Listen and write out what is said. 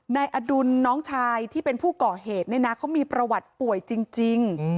นายอดุลน้องชายที่เป็นผู้ก่อเหตุเนี่ยนะเขามีประวัติป่วยจริง